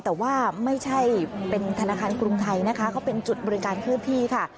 แต่ว่าไม่ใช่เป็นธนาคารกรุงไทยนะคะเขาเป็นจุดบริการเคลื่อนที่ค่ะ